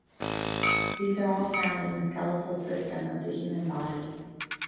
These are all found in the skeletal system of the human body.